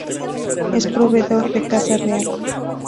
Es proveedor de la Casa Real.